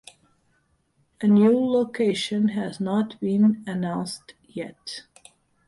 A new location has not been announced yet.